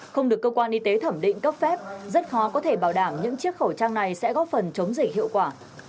không được cơ quan y tế thẩm định cấp phép rất khó có thể bảo đảm những chiếc khẩu trang này sẽ góp phần chống dịch hiệu quả